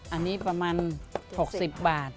อันนี้ประมาณ๖๐บาท๗๐บาท